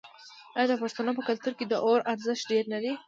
آیا د پښتنو په کلتور کې د اور ارزښت ډیر نه دی؟